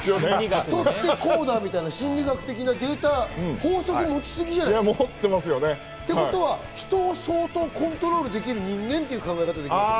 人ってこうだみたいな心理学的なデータ、法則を持ちすぎじゃない？ってことは、人を相当コントロールできる人間っていう考え方ができますよ。